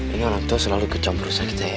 ini anak tua selalu kejam perusahaan kita ya